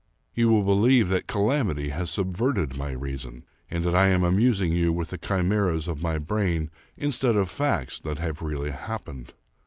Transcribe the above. You will believe that calamity has subverted my reason, and that I am amusing you with the chimeras of my brain in stead of facts that have really happened.